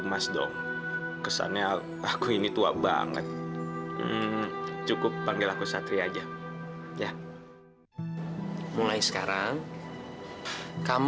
emas dong kesannya aku ini tua banget cukup panggil aku satria aja ya mulai sekarang kamu